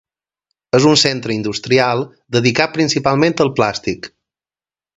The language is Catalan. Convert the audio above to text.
És un centre industrial dedicat principalment al plàstic.